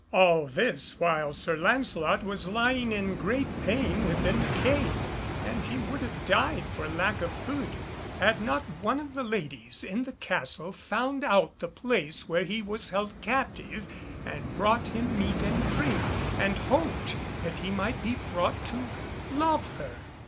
All this while Sir Lancelot was lying in great pain within the cave, and he would have died for lack of food had not one of the ladies in the castle found out the place where he was held captive, and brought him meat and drink, and hoped that he might be brought to love her.